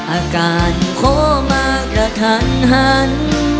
อาการโคมากระทันหัน